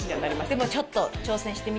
でもちょっと。